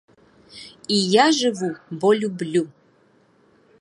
І я жыву, бо люблю!